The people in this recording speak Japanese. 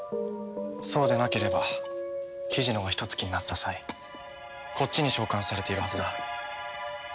そうでなければ雉野がヒトツ鬼になった際こっちに召喚されているはずだ。